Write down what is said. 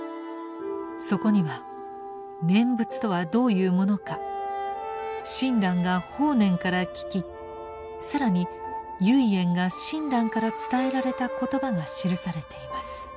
そこには念仏とはどういうものか親鸞が法然から聞き更に唯円が親鸞から伝えられた言葉が記されています。